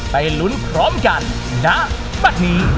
ไปลุ้นพร้อมกันณบัตรนี้